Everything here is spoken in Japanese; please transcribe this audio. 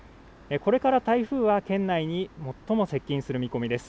これから台風は県内に最も接近する見込みです。